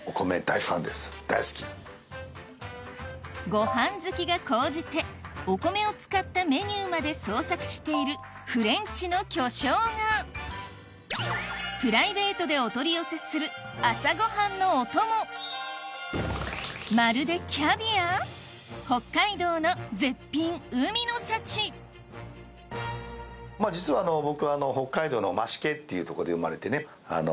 ご飯好きが高じてお米を使ったメニューまで創作しているフレンチの巨匠がプライベートでお取り寄せする朝ご飯のお供実は僕。